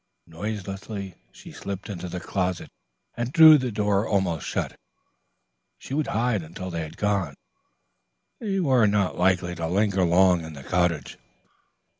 Noiselessly she slipped into the closet and drew the door almost shut. She would hide until they had gone. They were not likely to linger long in the cottage.